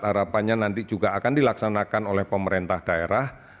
harapannya nanti juga akan dilaksanakan oleh pemerintah daerah